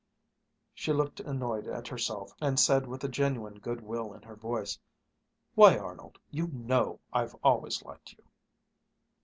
She looked annoyed at herself and said with a genuine good will in her voice, "Why, Arnold, you know I've always liked you."